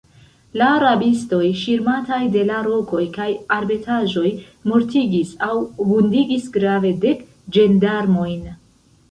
La rabistoj, ŝirmataj de la rokoj kaj arbetaĵoj, mortigis aŭ vundigis grave dek ĝendarmojn.